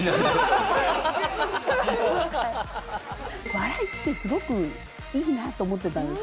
笑いってすごくいいなと思ってたんです